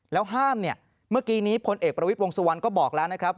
แล้วห้ามเนี่ยเมื่อกี้นี้พลเอกประวิทย์วงสุวรรณก็บอกแล้วนะครับ